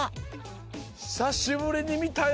ひさしぶりにみたよ